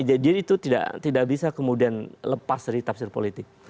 jadi itu tidak bisa kemudian lepas dari tafsir politik